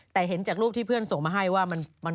แต่เห็นจากรูปที่เพื่อนส่งมาให้ว่า